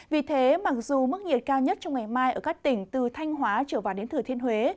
vì thế mặc dù mức nhiệt cao nhất trong ngày mai ở các tỉnh từ thanh hóa trở vào đến thừa thiên huế